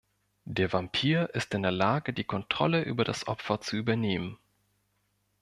Der Vampir ist in der Lage die Kontrolle über das Opfer zu übernehmen.